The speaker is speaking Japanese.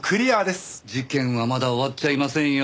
事件はまだ終わっちゃいませんよ。